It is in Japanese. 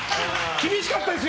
厳しかったですよ？